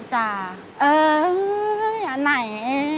จ้าเอออันไหน